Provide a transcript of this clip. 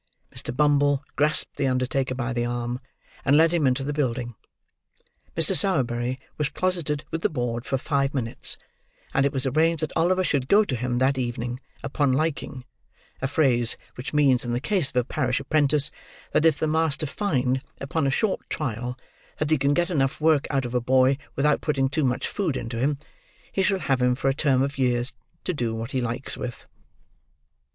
Mr. Bumble grasped the undertaker by the arm, and led him into the building. Mr. Sowerberry was closeted with the board for five minutes; and it was arranged that Oliver should go to him that evening "upon liking"—a phrase which means, in the case of a parish apprentice, that if the master find, upon a short trial, that he can get enough work out of a boy without putting too much food into him, he shall have him for a term of years, to do what he likes with.